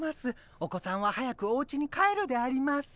お子さんは早くおうちに帰るであります。